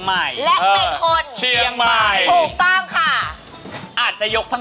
วันที่เธอพบมันใจฉัน